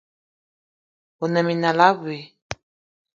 One minal abui.